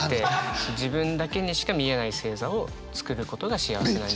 自分だけにしか見えない星座を作ることが幸せなんじゃないか。